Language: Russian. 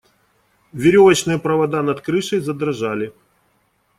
Веревочные провода над крышей задрожали.